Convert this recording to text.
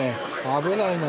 危ないな。